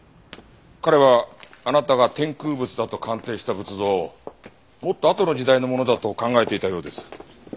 彼はあなたが天空仏だと鑑定した仏像をもっとあとの時代のものだと考えていたようです。